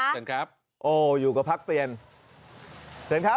เชิญครับโอ้อยู่กับพักเปลี่ยนเชิญครับ